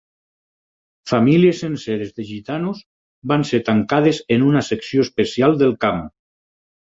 Famílies senceres de gitanos van ser tancades en una secció especial del camp.